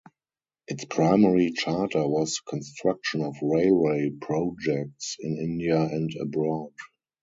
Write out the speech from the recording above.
Its primary charter was the construction of railway projects in India and abroad.